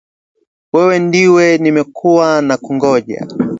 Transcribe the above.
Wewe ndiwe nimekuwa nakungoja